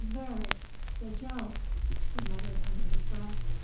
"Verrek jezelf!" he muttered under his breath.